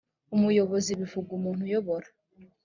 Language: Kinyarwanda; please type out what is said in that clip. umuyobozi bivuga umuntu uyobora